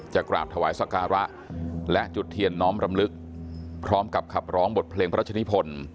กราบถวายสการะและจุดเทียนน้อมรำลึกพร้อมกับขับร้องบทเพลงพระราชนิพล